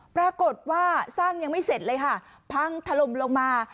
ปรากฏว่าสร้างยังไม่เสร็จเลยค่ะพังถล่มลงมา